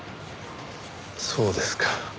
そうですか。